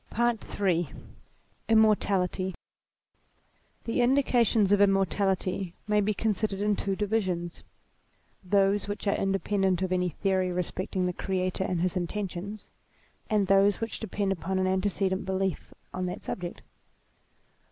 PAET III IMMOETALITY HP HE indications of immortality may be considered in two divisions: those which are independent of any theory respecting the Creator and his intentions, and those which depend upon an antecedent belief on that subject.